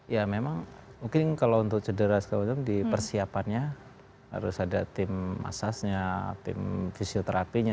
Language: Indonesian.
ya memang mungkin kalau untuk cedera di persiapannya harus ada tim massage nya tim fisioterapi nya